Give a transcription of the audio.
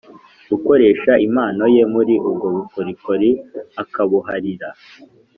gukoresha impano ye muri ubwo bukorikori akabuharira